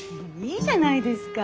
いいじゃないですか。